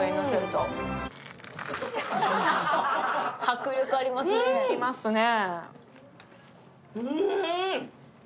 迫力ありますね。